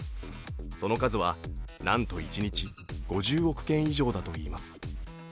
その数はなんと一日５０億件以上だといいます。